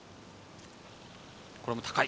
これも高い。